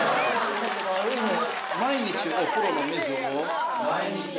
毎日お風呂の水を。